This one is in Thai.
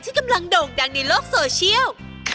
กำลังโด่งดังในโลกโซเชียล